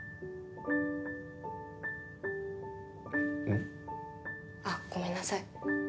ん？あっごめんなさい。